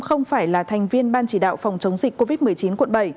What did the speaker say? không phải là thành viên ban chỉ đạo phòng chống dịch covid một mươi chín quận bảy